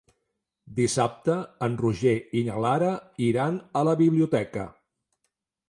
Dissabte en Roger i na Lara iran a la biblioteca.